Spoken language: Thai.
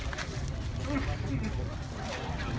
สวัสดีครับคุณผู้ชาย